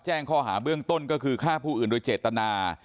แจ้งข้อหาเบื้องต้นก็คือฆ่าผู้อื่นโดยเจตนา